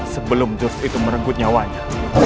sebelum jurus itu menenggut nyawanya